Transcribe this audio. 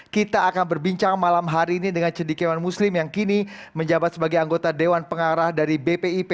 kita akan berbincang malam hari ini dengan cedikiawan muslim yang kini menjabat sebagai anggota dewan pengarah dari bpip